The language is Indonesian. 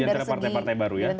dari semua partai yang mendatang